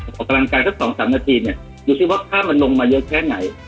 ออกกำลังกายสัก๒๓นาทีเนี่ยดูสิว่าผ้ามันลงมาเยอะแค่ไหน